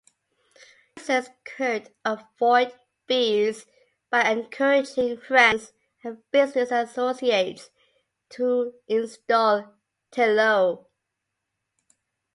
Users could avoid fees by encouraging friends and business associates to install Teleo.